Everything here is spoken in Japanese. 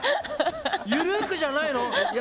ゆるくじゃないの？